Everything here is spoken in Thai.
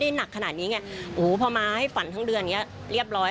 ได้หนักขนาดนี้ไงอู๋พอมาให้ฝันทั้งเดือนเนี่ยเรียบร้อย